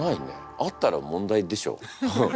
あったら問題でしょ。